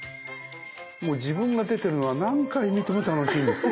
もう自分が出てるのは何回見ても楽しいです。